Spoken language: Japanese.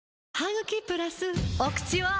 お口は！